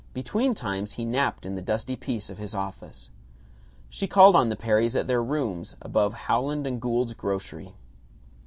Between times he napped in the dusty peace of his office. She called on the Perrys at their rooms above Howland & Gould's grocery.